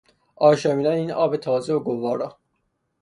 آشامیدن این آب تازه و گوارا